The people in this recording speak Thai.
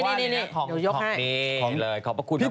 สนับสนุนโดยดีที่สุดคือการให้ไม่สิ้นสุด